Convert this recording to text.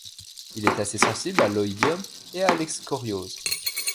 Il est assez sensible à l'oïdium et à l'excoriose.